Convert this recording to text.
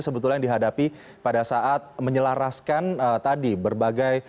sebetulnya yang dihadapi pada saat menyelaraskan tadi berbagai